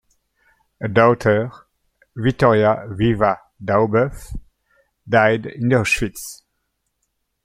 A daughter, Vittoria "Viva" Daubeuf, died in Auschwitz.